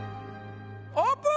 オープン！